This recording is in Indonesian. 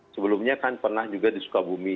sebelumnya kan pernah juga di sukabumi